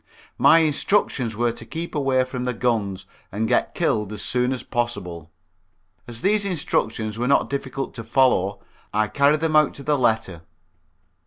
My instructions were to keep away from the guns, and get killed as soon as possible. As these instructions were not difficult to follow, I carried them out to the letter.